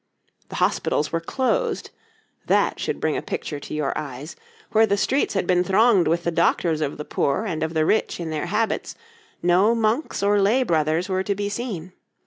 The hospitals were closed that should bring a picture to your eyes where the streets had been thronged with the doctors of the poor and of the rich in their habits, no monks or lay brothers were to be seen.